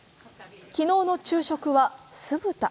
昨日の昼食は酢豚。